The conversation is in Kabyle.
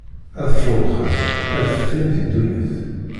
Ad fṛuṛxen, ad ftin di ddunit.